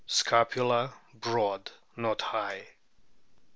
Scapula broad, not high.